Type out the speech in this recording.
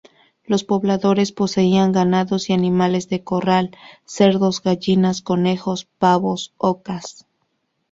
Los pobladores poseían ganados y animales de corral, cerdos, gallinas, conejos, pavos, ocas...